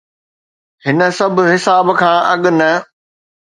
هن سڀ حساب کان اڳ نه.